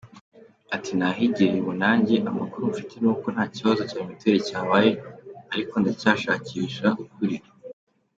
Ati nahigereye ubu nanjye, amakuru mfite nuko ntakibazo cya mutuelle cyabaye, ariko ndacyashakisha ukuri.